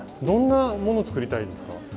どんなものを作りたいですか？